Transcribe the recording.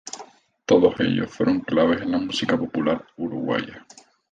Todos ellos fueron claves en la música popular uruguaya.